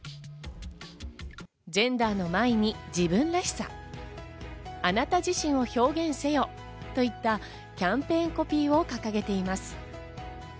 ジェンダーの前に自分らしさ、あなた自身を表現せよといった、キャンペーンコピーを掲げています。